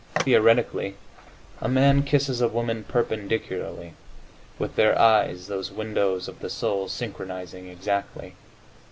Theoretically, a man kisses a woman perpendicularly, with their eyes, those "windows of the soul," synchronizing exactly.